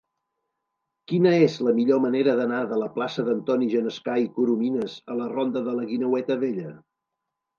Quina és la millor manera d'anar de la plaça d'Antoni Genescà i Corominas a la ronda de la Guineueta Vella?